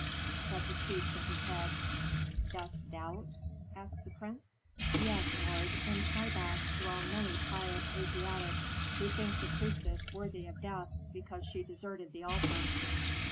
But the chief shook his head. "Dost doubt?" asked the prince. "Yes, lord. In Pi Bast dwell many pious Asiatics who think the priestess worthy of death because she deserted the altar.